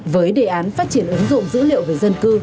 với đề án phát triển ứng dụng dữ liệu về dân cư